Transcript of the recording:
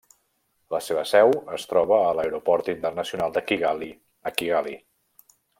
La seva seu es troba a l'Aeroport Internacional de Kigali a Kigali.